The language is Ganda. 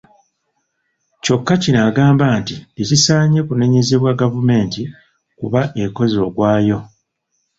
Kyokka kino agamba nti tekisaanye kunenyezebwa gavumenti kuba ekoze ogwayo.